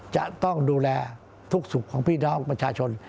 จะต้องดูแลทุกสุขของพี่น้องประชาชน